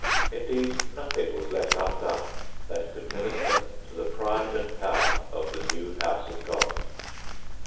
Indeed nothing was left undone that could minister to the pride and power of the new house of God.